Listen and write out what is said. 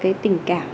cái tình cảm học trò